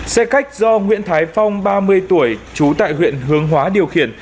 xe khách do nguyễn thái phong ba mươi tuổi trú tại huyện hướng hóa điều khiển